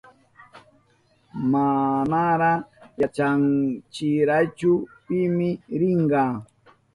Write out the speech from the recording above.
Manara yachanchirachu pimi rinka.